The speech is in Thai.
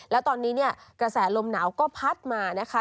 แล้วตอนนี้เนี่ยกระแสลมหนาวก็พัดมานะคะ